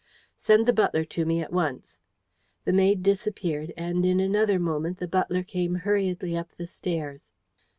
"Send the butler to me at once." The maid disappeared, and in another moment the butler came hurriedly up the stairs.